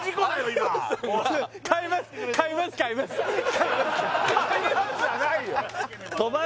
今「買います」じゃないよ